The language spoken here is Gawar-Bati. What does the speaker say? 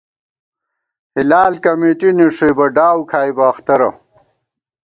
ہِلال کمېٹی نِݭُوئیبہ ڈاؤ کھائیبہ اختَرہ